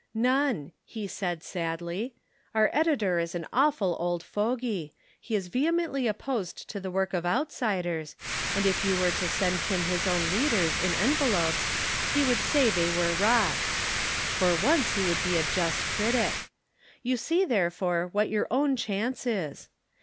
'None,' he said sadly. 'Our editor is an awful old fogey. He is vehemently opposed to the work of outsiders, and if you were to send him his own leaders in envelopes he would say they were rot. For once he would be a just critic. You see, therefore, what your own chance is.